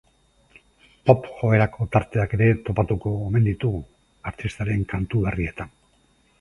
Pop joerako tarteak ere topatuko omen ditugu artistaren kantu berrietan.